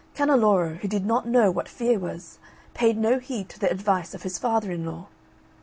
Canneloro, who did not know what fear was, paid no heed to the advice of his father in law.